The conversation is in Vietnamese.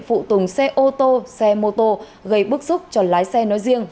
phụ tùng xe ô tô xe mô tô gây bức xúc cho lái xe nói riêng